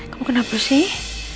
kamu kenapa sih